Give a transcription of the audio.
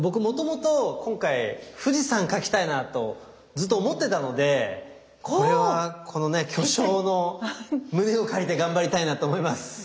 もともと今回富士山描きたいなとずっと思ってたのでこれはこの巨匠の胸を借りて頑張りたいなと思います。